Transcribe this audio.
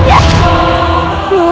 lepaskan ibu dia